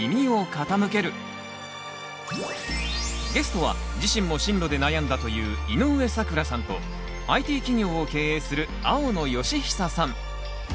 ゲストは自身も進路で悩んだという井上咲楽さんとＩＴ企業を経営する青野慶久さん。